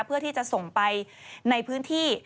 เพื่อที่จะส่งไปในพื้นที่